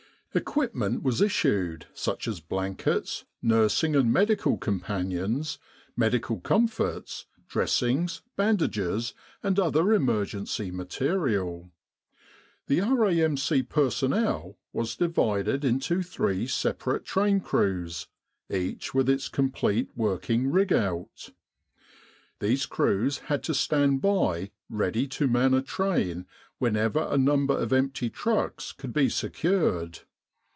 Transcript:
Equipment was issued, such as blankets, nursing and medical companions, medical comforts, dressings, bandages, and other emergency material. The R.A.M.C. personnel was divided into three separate train crews, each with its complete working rig out. These crews had to stand by ready to man a train whenever a number of empty trucks could be secured.